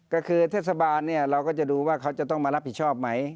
ก็คือเทศบาลเนี่ยเราก็จะดูว่าเขาจะต้องมารับผิดชอบไหม